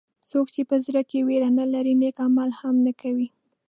څوک چې په زړه کې وېره نه لري نیک عمل هم نه کوي.